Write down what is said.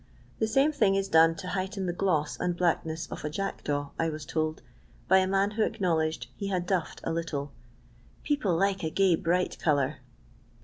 The same thing is done to heighten the gloss and blackneu of a jackdaw, I was told, by a man who acknow ledged he had duffed a little ; "people liked a gay Ivight colour."